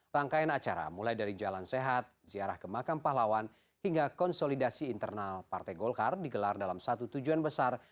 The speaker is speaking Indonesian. rangkaian acara mulai dari jalan sehat ziarah ke makam pahlawan hingga konsolidasi internal partai golkar digelar dalam satu tujuan besar